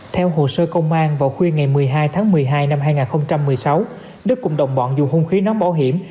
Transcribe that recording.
theo hồ sơ công an vào khuya ngày một mươi hai tháng một mươi hai năm hai nghìn một mươi sáu đức cùng đồng bọn dùng hung khí nóng bảo hiểm